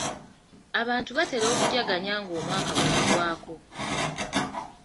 Abantu batera okujaganya ng'omwaka guggwako.